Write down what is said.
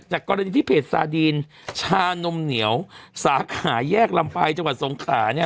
กรณีที่เพจซาดีนชานมเหนียวสาขาแยกลำไฟจังหวัดสงขาเนี่ย